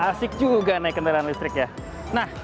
wah asik juga naik kendaraan listrik ya